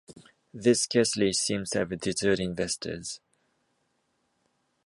This scarcely seems to have deterred investors.